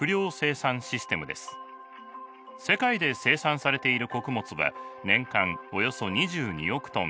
世界で生産されている穀物は年間およそ２２億トン。